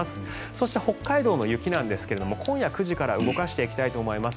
そして北海道の雪ですが今夜９時から動かしていきたいと思います。